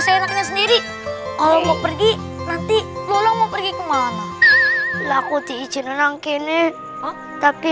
sayangnya sendiri kalau mau pergi nanti lo mau pergi kemana laku diizinkan kini tapi